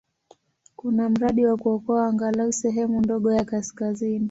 Kuna mradi wa kuokoa angalau sehemu ndogo ya kaskazini.